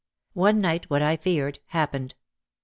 One night what I feared happened.